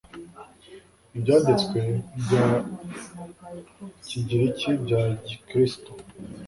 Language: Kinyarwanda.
Ibyanditswe bya Kigiriki bya Gikristo